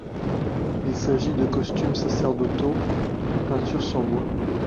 Il s'agit de costumes sacerdotaux et peinture sur bois.